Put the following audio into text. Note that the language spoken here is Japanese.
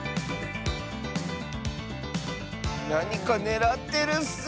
なにかねらってるッス！